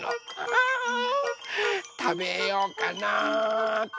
あたべようかなっと。